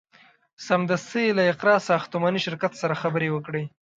سمدستي یې له اقراء ساختماني شرکت سره خبرې وکړې.